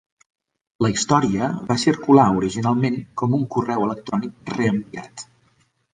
La història va circular originalment com un correu electrònic reenviat.